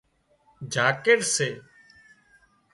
جاڪيٽ سي